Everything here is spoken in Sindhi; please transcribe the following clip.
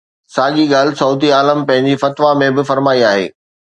ساڳي ڳالهه سعودي عالم پنهنجي فتويٰ ۾ به فرمائي آهي.